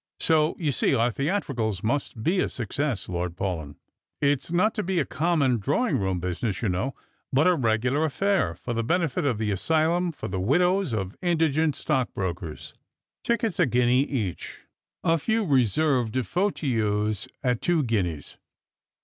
So, you see, our theatricals must be a success. Lord Paulyn. It's not to be a common drawing room business, you know, but a regular affair, for the benetit of the Asylum for the Widows of Indi gent Stockbrokers. Tickets a guinea each. A few reserved fauteuils at two guineas."